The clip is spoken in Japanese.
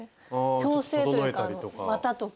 調整というか綿とか。